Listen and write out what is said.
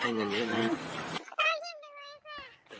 ให้เงินเยอะแล้วอ่ายื่นดีเลยสิอ่า